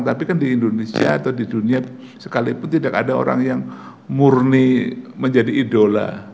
tapi kan di indonesia atau di dunia sekalipun tidak ada orang yang murni menjadi idola